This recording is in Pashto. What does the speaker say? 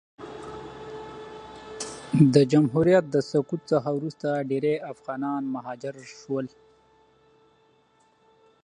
د جمهوریت د سقوط څخه وروسته ډېری افغانان مهاجر سول.